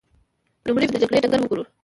لومړی به د جګړې ډګر وګورو.